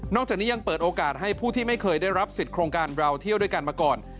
จากนี้ยังเปิดโอกาสให้ผู้ที่ไม่เคยได้รับสิทธิ์โครงการเราเที่ยวด้วยกันมาก่อน